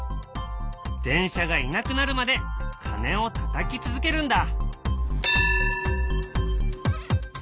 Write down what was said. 電車がいなくなるまで鐘をたたき続けるんだ。